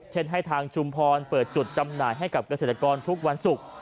ให้ทางชุมพรเปิดจุดจำหน่ายให้กับเกษตรกรทุกวันศุกร์